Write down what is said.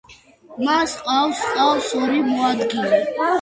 მას ჰყავს ჰყავს ორი მოადგილე.